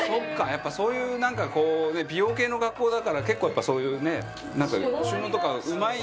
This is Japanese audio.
やっぱそういうなんかこう美容系の学校だから結構そういうね収納とかうまいんですよね。